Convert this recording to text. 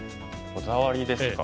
こだわりですか。